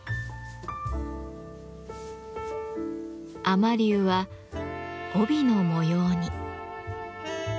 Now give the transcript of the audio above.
雨龍は帯の模様に。